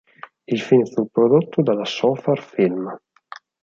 Il film fu prodotto dalla Sofar-Film.